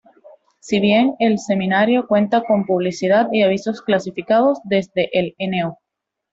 Si bien el semanario cuenta con publicidad y avisos clasificados desde el No.